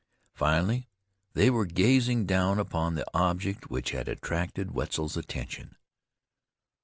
Finally they were gazing down upon the object which had attracted Wetzel's attention.